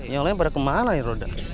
yang lain pada kemana nih roda